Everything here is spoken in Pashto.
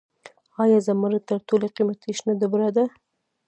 آیا زمرد تر ټولو قیمتي شنه ډبره ده؟